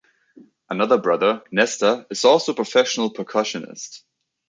Another brother, Nestor, is also a professional percussionist.